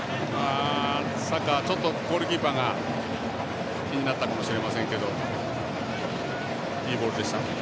サカ、ちょっとゴールキーパーが気になったのかもしれませんがいいボールでした。